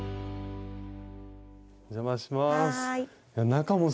お邪魔します。